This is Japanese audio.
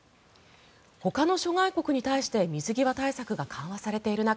ほかの諸外国に対して水際対策が緩和されている中